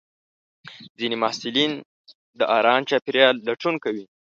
ځینې محصلین د ارام چاپېریال لټون کوي.